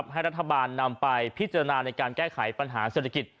ให้รัฐบาลนำไปพิจารณาในการแก้ไขปัญหาเศรษฐกิจ